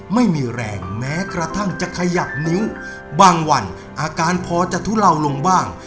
ไม่มีแรงแม้กระทั่งจะขยับนิ้วบางวันอาการพอจะทุเลาลงบ้าง